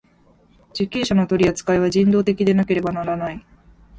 受刑者の取扱いは人道的でなければならない。